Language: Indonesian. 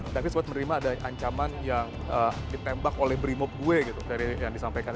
tapi sempat menerima ada ancaman yang ditembak oleh brimob gue gitu dari yang disampaikan